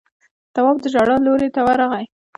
تواب د ژړا لورې ته ورغی.